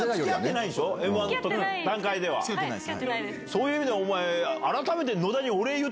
そういう意味ではお前改めて。